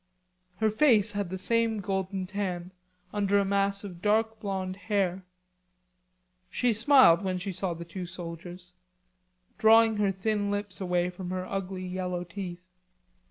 Her face had the same golden tan under a mass of dark blonde hair. She smiled when she saw the two soldiers, drawing her thin lips away from her ugly yellow teeth.